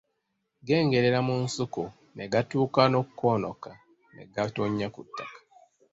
Gengerera mu nsuku ne gatuuka n'okukoonoka ne gatonnya ku ttaka.